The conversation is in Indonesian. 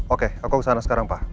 oke aku kesana sekarang pak